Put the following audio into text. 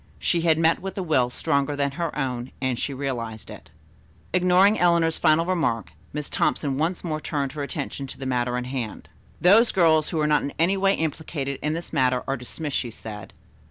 She had met with a will stronger than her own and she realized it. Ignoring Eleanor's final remark, Miss Thompson once more turned her attention to the matter in hand. "Those girls who are not in any way implicated in this matter are dismissed," she said.